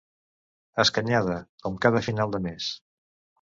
Escanyada, com cada final de mes.